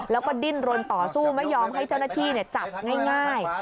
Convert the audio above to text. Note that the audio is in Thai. แล้วก็ดิ้นรนต่อสู้ไม่ยอมให้เจ้าหน้าที่จับง่าย